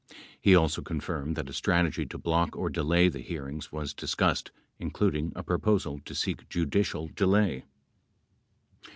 18 He also confirmed that a strategy to block or delay the hearings was discussed, including a proposal to seek judicial delay.